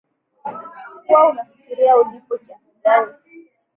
kuwa unafikiria ulipwe kiasi gani